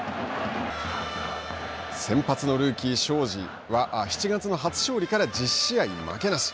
先発のルーキー荘司は７月の初勝利から１０試合負けなし。